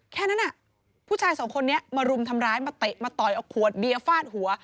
แค่นั้นผู้ชายสองคนนี้มารุมทำร้ายมาเตะมาต่อยเอาขวดเบียร์ฟาดหัว